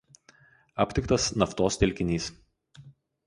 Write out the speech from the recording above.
Aptiktas naftos telkinys.